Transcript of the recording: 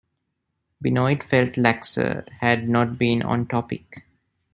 Benoit felt Laxer had not been on topic.